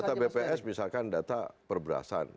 data bps misalkan data perberasan